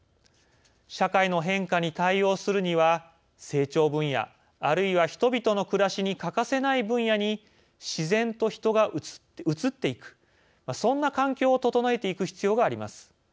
社会の変化に対応するには成長分野、あるいは人々の暮らしに欠かせない分野に自然と人が移っていくそんな環境を整えていく必要があります。